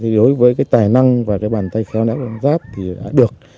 đối với tài năng và bàn tay khéo nãy của ông giáp thì đã được